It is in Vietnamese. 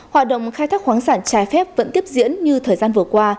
hoạt động khai thác khoáng sản trái phép vẫn tiếp diễn như thời gian vừa qua